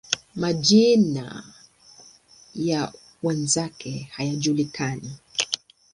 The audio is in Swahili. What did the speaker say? Majina ya wenzake hayajulikani.